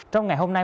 trong ngày hôm nay